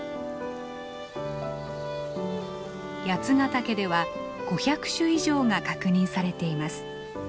八ヶ岳では５００種以上が確認されています。